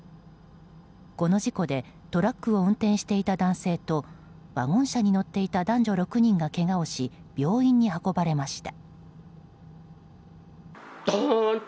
この事故でトラックを運転していた男性とワゴン車に乗っていた男女６人がけがをし病院に運ばれました。